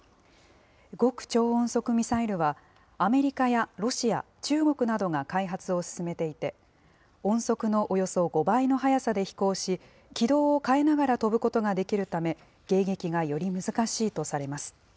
極超音速ミサイルは、アメリカやロシア、中国などが開発を進めていて、音速のおよそ５倍の速さで飛行し、軌道を変えながら飛ぶことができるため、迎撃がより難しいとされます。